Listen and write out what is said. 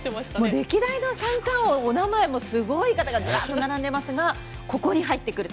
歴代の三冠王お名前がすごい方がずらっと並んでますがここに入ってくる。